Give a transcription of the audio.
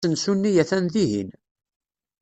Asensu-nni atan dihin.